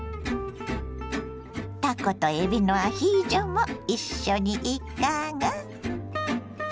たことえびのアヒージョも一緒にいかが。